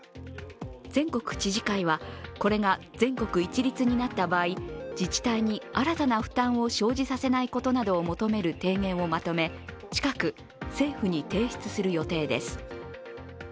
全国知事会はこれが全国一律になった場合、自治体に新たな負担を生じさせないことなどを求める提言をまとめ近く、政府に提出する予定です。